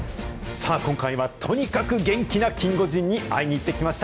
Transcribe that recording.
さあ、今回はとにかく元気なキンゴジンに会いに行ってきました。